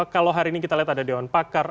kalau hari ini kita lihat ada dewan pakar